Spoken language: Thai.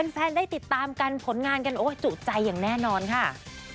แฟนได้ติดตามกันผลงานกันโอ้ยจุใจอย่างแน่นอนค่ะ